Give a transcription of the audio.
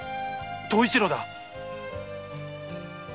東一郎だ。